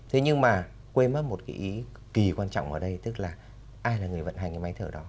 thế nhưng mà quên mất một cái ý kỳ quan trọng ở đây tức là ai là người vận hành cái máy thở đó